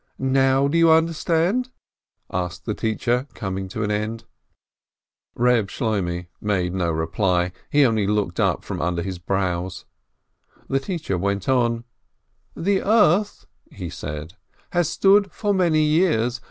"Now do you understand?" asked the teacher, coming to an end. Eeb Shloimeh made no reply, he only looked up from under his brows. The teacher went on : "The earth," he said, "has stood for many years.